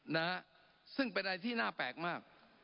นะฮะซึ่งเป็นอะไรที่น่าแปลกมาก